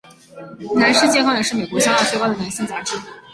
男士健康也是美国销量最高的男性杂志。